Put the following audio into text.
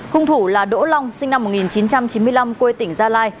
hung thủ là đỗ long sinh năm một nghìn chín trăm chín mươi năm quê tỉnh gia lai